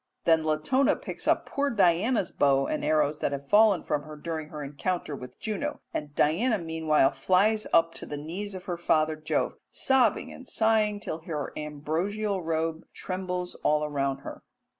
Then Latona picks up poor Diana's bow and arrows that have fallen from her during her encounter with Juno, and Diana meanwhile flies up to the knees of her father Jove, sobbing and sighing till her ambrosial robe trembles all around her.